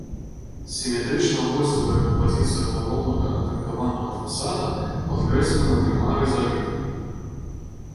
Сіметрычна-восевая кампазіцыя галоўнага атынкаванага фасада падкрэслена трыма рызалітамі.